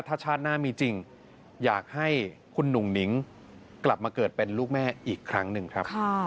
ถ้าชาติหน้ามีจริงอยากให้คุณหนุ่งหนิงกลับมาเกิดเป็นลูกแม่อีกครั้งหนึ่งครับ